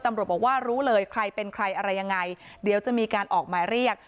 ตำรวจบอกว่ารู้เลยใครเป็นใครอะไรยังไงเดี๋ยวจะมีการออกหมายเรียก